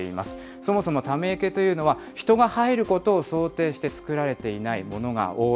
そもそもため池というのは、人が入ることを想定して作られていないものが多い。